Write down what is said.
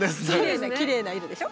きれいな色でしょ？